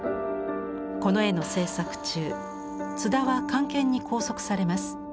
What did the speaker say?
この絵の制作中津田は官憲に拘束されます。